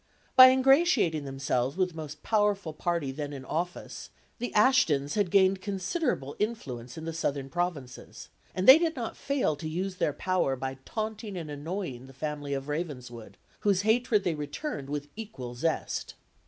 By ingratiating themselves with the most powerful party then in office, the Ashtons had gained considerable influence in the southern provinces; and they did not fail to use their power by taunting and annoying the family of Ravenswood, whose hatred they returned with equal zest.